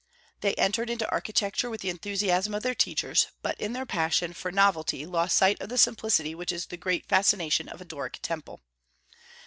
They entered into architecture with the enthusiasm of their teachers, but in their passion for novelty lost sight of the simplicity which is the great fascination of a Doric temple.